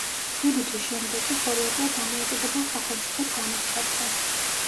შვიდი თვის შემდეგ კი ხორვატია დამოუკიდებელ სახელმწიფოდ გამოცხადდა.